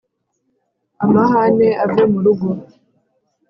Amahane ave mu rugo